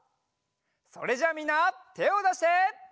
それじゃあみんなてをだして。